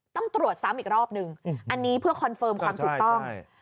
ต้องตรวจซ้ำอีกรอบนึงอันนี้เพื่อคอนเฟิร์มความถูกต้อง